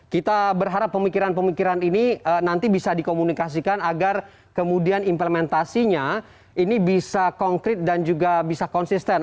kita berharap pemikiran pemikiran ini nanti bisa dikomunikasikan agar kemudian implementasinya ini bisa konkret dan juga bisa konsisten